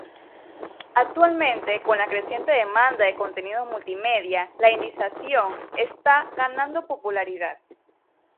Actualmente, con la creciente demanda de contenidos multimedia, la indización está ganando popularidad.